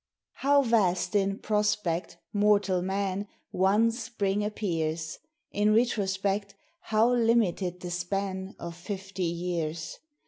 How vast in prospect, mortal man, One Spring appears! In retrospect, how limited the span Of fifty years!